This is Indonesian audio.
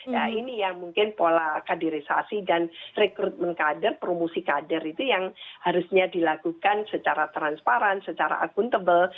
nah ini yang mungkin pola kaderisasi dan rekrutmen kader promosi kader itu yang harusnya dilakukan secara transparan secara akuntabel